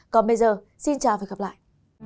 còn bây giờ xin chào và hẹn gặp lại